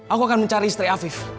aku akan mencari istri afif